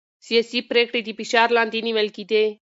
سياسي پرېکړې د فشار لاندې نيول کېدې.